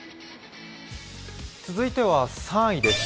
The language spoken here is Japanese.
続いては３位です。